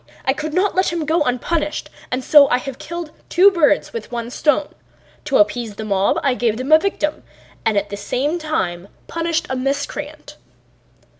I could not let him go unpunished and so I have killed two birds with one stone: to appease the mob I gave them a victim and at the same time punished a miscreant."